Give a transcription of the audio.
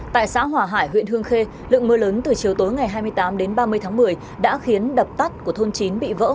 tại xã hòa hải huyện hương khê lượng mưa lớn từ chiều tối ngày hai mươi tám đến ba mươi tháng một mươi đã khiến đập tắt của thôn chín bị vỡ